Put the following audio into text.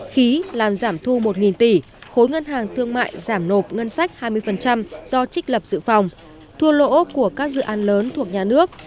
khí làm giảm thu một tỷ khối ngân hàng thương mại giảm nộp ngân sách hai mươi do trích lập dự phòng thua lỗ của các dự án lớn thuộc nhà nước